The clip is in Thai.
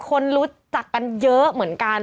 คนรู้จักกันเยอะเหมือนกัน